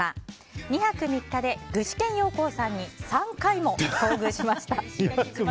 ２泊３日で具志堅用高さんに３回も遭遇しました。